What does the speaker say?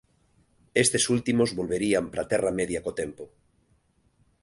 Estes últimos volverían para a Terra Media co tempo.